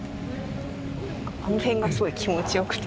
あの辺がすごい気持ちよくて。